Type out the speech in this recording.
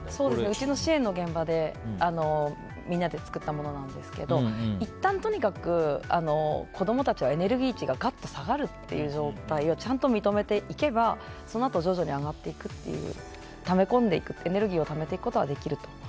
うちの支援の現場でみんなで作ったものなんですけどいったんとにかく子供たちはエネルギー値が下がる状態をちゃんと認めていけばそのあとは徐々に上がっていってため込んでいく、エネルギーをためていくことはできると。